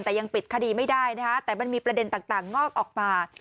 แต่ยังปิดคดีไม่ได้นะคะแต่มันมีประเด็นต่างงอกออกมา